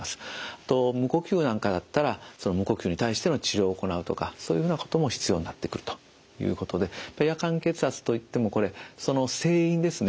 あと無呼吸なんかだったらその無呼吸に対しての治療を行うとかそういうふうなことも必要になってくるということで夜間血圧といってもこれその成因ですね